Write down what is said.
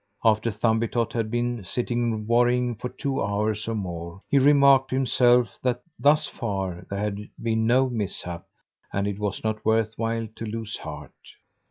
After Thumbietot had been sitting worrying for two hours or more, he remarked to himself that, thus far, there had been no mishap, and it was not worth while to lose heart.